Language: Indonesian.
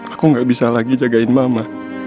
aku gak bisa lagi jagain mama